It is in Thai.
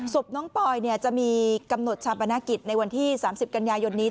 ศพน้องปอยจะมีกำหนดชาปนกิจในวันที่๓๐กันยายนนี้